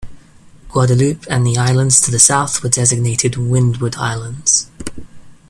Guadeloupe and the islands to the south were designated "Windward Islands".